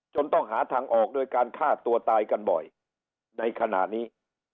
ต้องหาทางออกโดยการฆ่าตัวตายกันบ่อยในขณะนี้